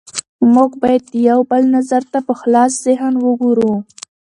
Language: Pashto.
موږ باید د یو بل نظر ته په خلاص ذهن وګورو